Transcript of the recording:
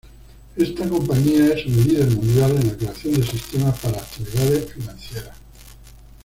Esta compañía es un líder mundial en la creación de sistemas para actividades financieras.